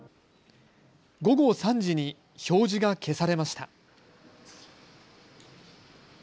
午後３時に表示が消されました。